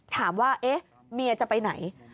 ถามว่าเมียจะไปไหน